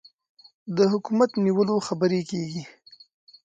د حکومت د نیولو خبرې کېږي.